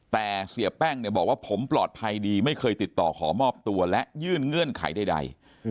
แต่เสียแป้งเนี่ยบอกว่าผมปลอดภัยดีไม่เคยติดต่อขอมอบตัวและยื่นเงื่อนไขใด